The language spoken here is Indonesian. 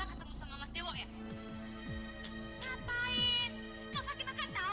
ah kalau kamu sedang berhubung kekuatan ini